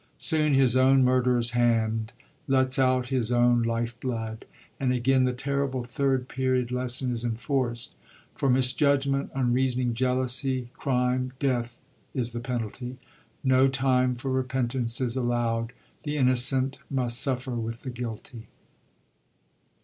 Soon his own murderer's hand lets out his own life blood ; and again the terrible Third Period lesson is enforced: for mis Judgment, unreasoning jealousy, crime, death is the penalty ; no time for repentance is allowd ; the innocent must suffer with the guilty.